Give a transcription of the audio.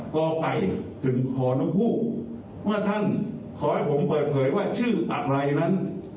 ต่อไปถึงคอนุภูมิว่าท่านขอให้ผมเปิดเผยว่าชื่อตักไรนั้น